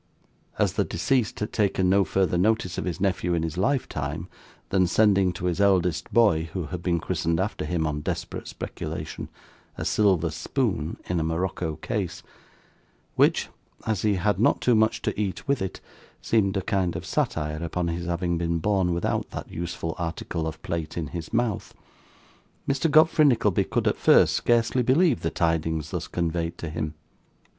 As the deceased had taken no further notice of his nephew in his lifetime, than sending to his eldest boy (who had been christened after him, on desperate speculation) a silver spoon in a morocco case, which, as he had not too much to eat with it, seemed a kind of satire upon his having been born without that useful article of plate in his mouth, Mr. Godfrey Nickleby could, at first, scarcely believe the tidings thus conveyed to him.